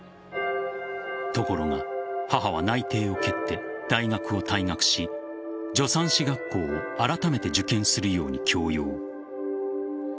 ところが母は内定を蹴って大学を退学し助産師学校をあらためて受験するように強要。